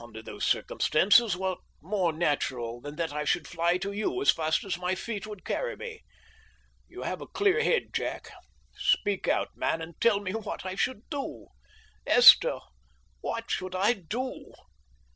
Under those circumstances what more natural than that I should fly to you as fast as my feet would carry me? You have a clear head, Jack; speak out, man, and tell me what I should do. Esther, what should I do?"